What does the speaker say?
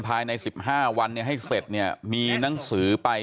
ภายใน๑๕วันให้เสร็จเนี่ยมีหนังสือไป